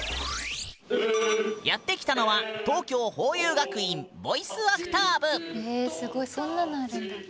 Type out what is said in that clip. やって来たのは東京へえすごいそんなのあるんだ。